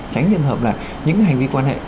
tránh nhân hợp là những hành vi quan hệ